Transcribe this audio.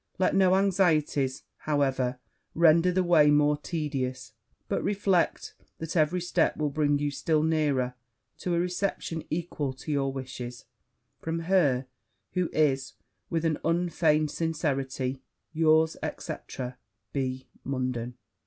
Let no anxieties, however, render the way more tedious; but reflect that every step will bring you still nearer to a reception equal to your wishes, from her who is, with an unfeigned sincerity, yours &c. B. MUNDEN.'